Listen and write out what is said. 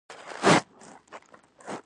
د منځنۍ طبقی خلک ډیریږي.